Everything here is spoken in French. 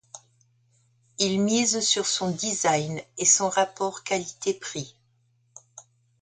Il mise sur son design et son rapport qualité-prix.